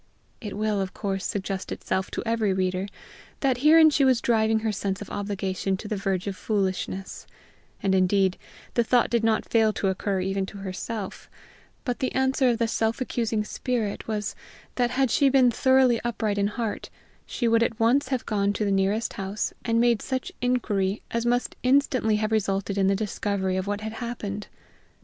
It will, of course, suggest itself to every reader that herein she was driving her sense of obligation to the verge of foolishness; and, indeed, the thought did not fail to occur even to herself; but the answer of the self accusing spirit was that had she been thoroughly upright in heart, she would at once have gone to the nearest house and made such inquiry as must instantly have resulted in the discovery of what had happened.